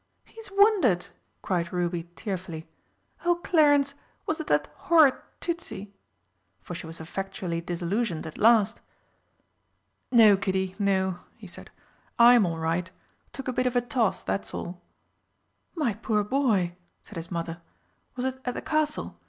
"He's wounded!" cried Ruby tearfully. "Oh, Clarence, was it that horrid Tützi?" for she was effectually disillusioned at last. "No, Kiddie, no," he said, "I'm all right. Took a bit of a toss, that's all." "My poor boy," said his mother, "was it at the Castle?